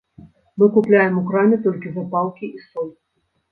Мы купляем у краме толькі запалкі і соль.